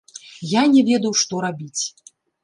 Я не ведаў, што рабіць.